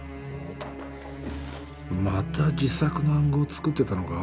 また自作の暗号作ってたのか。